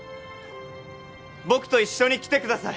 僕と一緒に来てください